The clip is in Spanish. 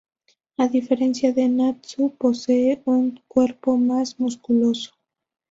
A diferencia de Natsu posee un cuerpo más musculoso.